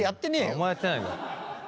お前やってないんだ。